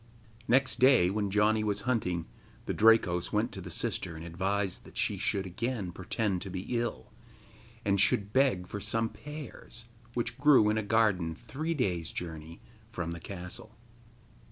Next day, when Janni was hunting, the Drakos went to the sister and advised that she should again pretend to be ill, and should beg for some pears, which grew in a garden three days' journey from the castle.